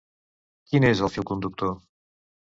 Quin és el fil conductor?